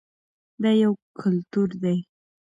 دا یو کلتور دی.